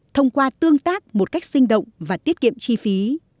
thông qua tương tác một cách sinh động và tiết kiệm chi phí